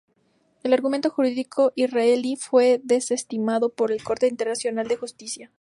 El argumento jurídico israelí fue desestimado por la Corte Internacional de Justicia.